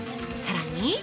さらに。